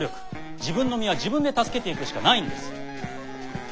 自分の身は自分で助けていくしかないんです。